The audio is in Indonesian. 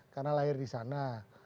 karena lahir di sana